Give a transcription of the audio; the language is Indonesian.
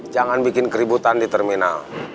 jangan bikin keributan di terminal